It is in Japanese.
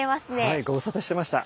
はいご無沙汰してました。